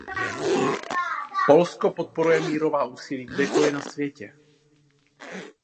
Polsko podporuje mírová úsilí kdekoli na světě.